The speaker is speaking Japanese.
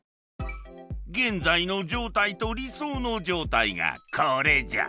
現在の状態と理想の状態がこれじゃ。